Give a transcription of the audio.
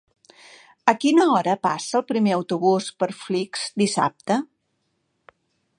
A quina hora passa el primer autobús per Flix dissabte?